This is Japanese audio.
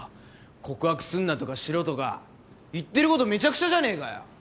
告白すんなとかしろとか言ってることめちゃくちゃじゃねえかよ！